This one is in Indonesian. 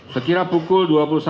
sekira pukul dua puluh satu